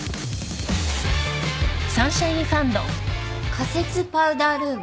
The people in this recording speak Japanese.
仮設パウダールーム？